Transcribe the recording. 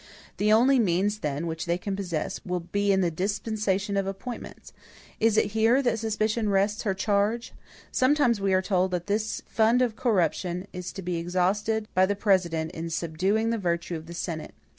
The only means, then, which they can possess, will be in the dispensation of appointments. Is it here that suspicion rests her charge? Sometimes we are told that this fund of corruption is to be exhausted by the President in subduing the virtue of the Senate.